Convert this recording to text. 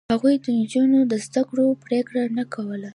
هغوی د نجونو د زده کړو پرېکړه نه کوله.